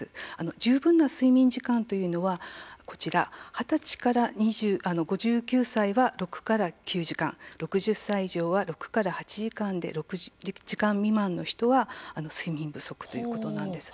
十分な睡眠時間というのはこちら二十歳から５９歳は６から９時間６０歳以上は６から８時間で６時間未満の人は睡眠不足ということなんです。